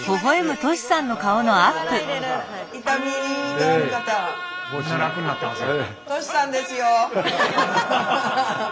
トシさんですよ。